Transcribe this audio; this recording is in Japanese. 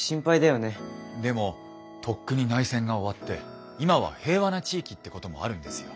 でもとっくに内戦が終わって今は平和な地域ってこともあるんですよ。